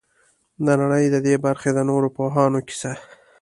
د نړۍ د دې برخې د نورو پوهانو کیسه.